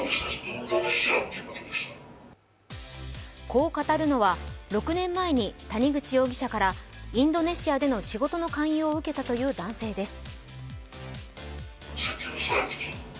こう語るのは６年前に谷口容疑者からインドネシアでの仕事の勧誘を受けたという男性です。